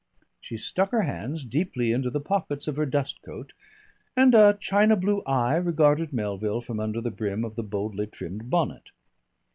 She stuck her hands deeply into the pockets of her dust coat, and a china blue eye regarded Melville from under the brim of the boldly trimmed bonnet.